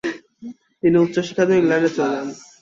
তিনি উচ্চশিক্ষার জন্য ইংল্যান্ডে চলে যান।